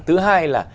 thứ hai là